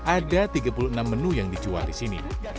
ada tiga puluh enam menu yang dijual disini